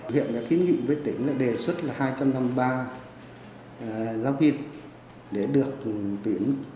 huyện đã kiến nghị với tỉnh đề xuất là hai trăm năm mươi ba giáo viên để được tuyển